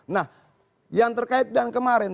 nah yang terkait dengan kemarin